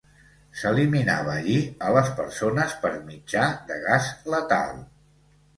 S'eliminava allí a les persones per mitjà de gas letal.